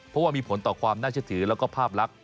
เพราะมีผลกับความน่าเชื่อถือ